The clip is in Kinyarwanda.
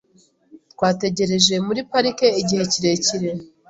Twategereje muri parike igihe kirekire .